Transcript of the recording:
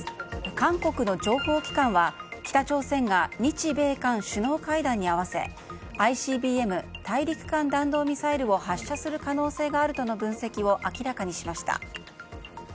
韓国の情報機関は北朝鮮が日米韓首脳会談に合わせＩＣＢＭ・大陸間弾道ミサイルを発射する可能性があるとの分析を明らかにしました。